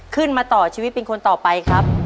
ขึ้นมาต่อชีวิตเป็นคนต่อไปครับ